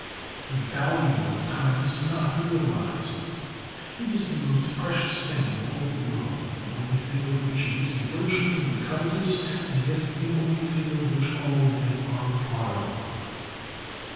The value of time is not realized. It is the most precious thing in all the world; the only thing of which it is a virtue to be covetous, and yet the only thing of which all men are prodigal.